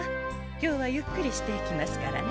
今日はゆっくりしていきますからね。